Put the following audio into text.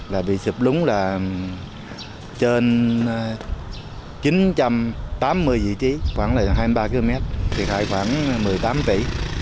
là bị sụt lún là trên chín trăm tám mươi vị trí khoảng là hai mươi ba km thiệt hại khoảng một mươi tám tỷ